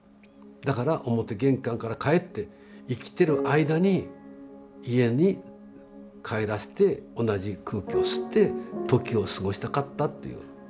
だから表玄関から帰って生きてる間に家に帰らせて同じ空気を吸って時を過ごしたかったっていう。